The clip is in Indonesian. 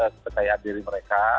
seperti adil mereka